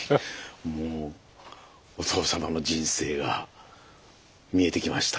もうお父様の人生が見えてきました。